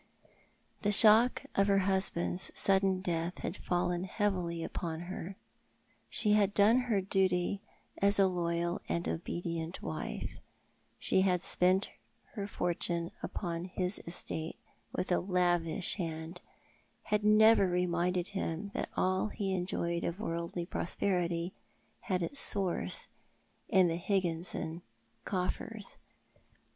The shock of her husband's sudden death had fallen heavily upon her. She had done her duty as a loyal and obedient wife. She had spent her fortune upon his estate with a lavish hand, had never remindel him that all lie eujoyed of worldly prosperity had its source in the Iligginson coflfers.